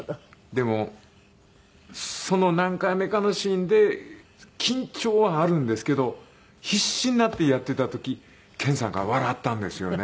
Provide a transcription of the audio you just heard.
でもその何回目かのシーンで緊張はあるんですけど必死になってやっていた時健さんが笑ったんですよね。